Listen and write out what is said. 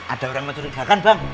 ada orang mencurigakan bang